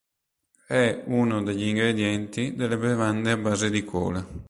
È uno degli ingredienti delle bevande a base di cola.